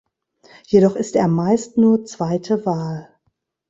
Jedoch ist er meist nur zweite Wahl.